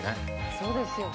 そうですよね。